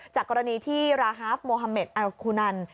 จากกรณีที่ราฮาฟโมฮาเมดอาคูนัน